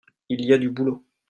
il y a du boulot.